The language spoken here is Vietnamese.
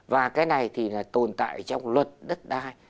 và cái này thì là tồn tại trong luật đất đai